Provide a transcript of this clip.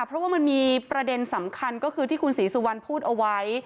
เพราะว่ามันมีประเด็นสำคัญก็คือที่คุณศรีสุวรรณพูดเอาไว้